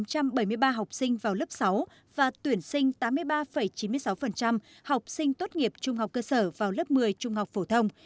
một trăm bảy mươi ba học sinh vào lớp sáu và tuyển sinh tám mươi ba chín mươi sáu học sinh tốt nghiệp trung học cơ sở vào lớp một mươi trung học phổ thông